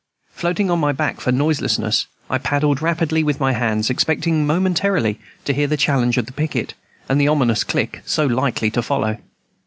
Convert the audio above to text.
Floating on my back for noiselessness, I paddled rapidly in with my hands, expecting momentarily to hear the challenge of the picket, and the ominous click so likely to follow.